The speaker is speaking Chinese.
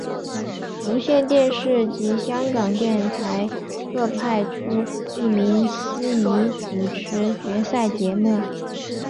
无线电视及香港电台各派出一名司仪主持决赛节目。